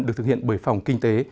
được thực hiện bởi phòng kinh tế